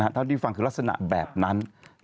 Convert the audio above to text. เท่าที่ฟังคือลักษณะแบบนั้น